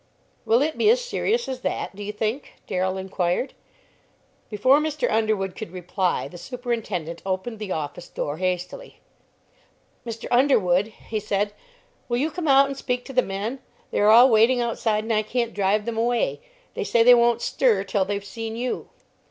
"Will it be as serious as that, do you think?" Darrell inquired. Before Mr. Underwood could reply the superintendent opened the office door hastily. "Mr. Underwood," he said, "will you come out and speak to the men? They are all waiting outside and I can't drive them away; they say they won't stir till they've seen you."